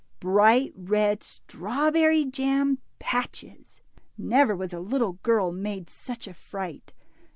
Bright red strawberry jam patches! Never was a little, girl made such a fright.